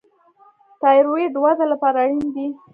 تایرویډ وده لپاره اړین دی.